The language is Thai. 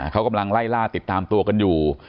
เขากำลังไล่ล่าติดตามตัวกันอยู่